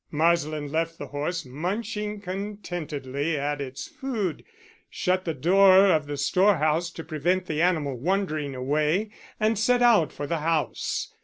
Marsland left the horse munching contentedly at its food, shut the door of the storehouse to prevent the animal wandering away, and set out for the house.